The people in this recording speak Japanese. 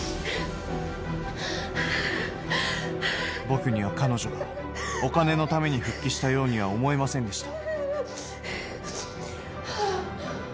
僕には彼女がお金のために復帰したようには思えませんでした。